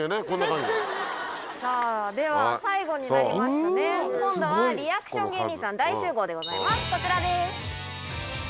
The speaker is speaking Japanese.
こちらです。